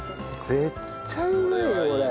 絶対うまいよこれ。